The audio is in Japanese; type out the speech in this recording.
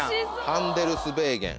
ハンデルスベーゲン。